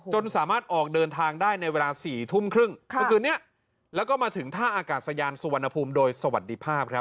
สามารถออกเดินทางได้ในเวลา๔ทุ่มครึ่งเมื่อคืนนี้แล้วก็มาถึงท่าอากาศยานสุวรรณภูมิโดยสวัสดีภาพครับ